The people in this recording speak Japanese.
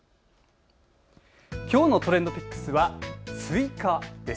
きょうのＴｒｅｎｄＰｉｃｋｓはスイカです。